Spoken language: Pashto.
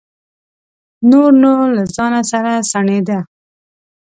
نور نو له ځانه سره سڼېده.